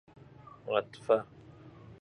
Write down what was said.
عطفه